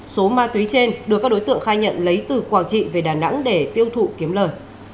số ma túy trên được các đối tượng khai nhận lấy từ quảng trị về đà nẵng để tiêu thụ kiếm lời